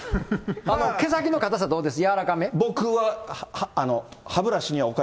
毛先の硬さ、どうですか？